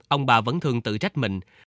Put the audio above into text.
ông bà vẫn thường tự trách mình